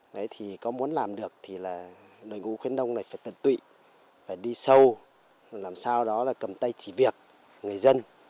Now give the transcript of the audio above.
đấy thì có muốn làm được thì là đội ngũ khuyến nông này phải tận tụy phải đi sâu làm sao đó là cầm tay chỉ việc người dân